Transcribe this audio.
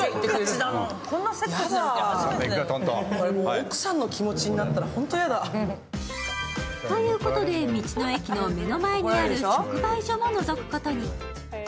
奥さんの気持ちになったらホント嫌だ。ということで道の駅の目の前にある直売所ものぞくことに。